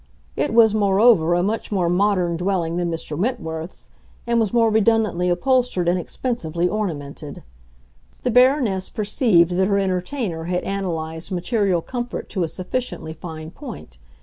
It was, moreover, a much more modern dwelling than Mr. Wentworth's, and was more redundantly upholstered and expensively ornamented. The Baroness perceived that her entertainer had analyzed material comfort to a sufficiently fine point.